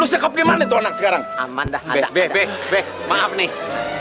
kondakannya b christ apa nakal k linkedin v